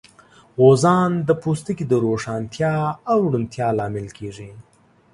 غوزان د پوستکي د روښانتیا او روڼتیا لامل کېږي.